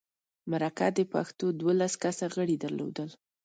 مرکه د پښتو دولس کسه غړي درلودل.